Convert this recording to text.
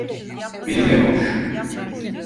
Benimle konuş.